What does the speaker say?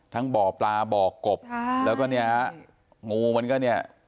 ทั้งบ่อปลาบ่อกบแล้วก็นี่งูมันก็เนี่ย